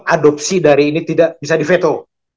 adopsi dari ini tidak bisa difeto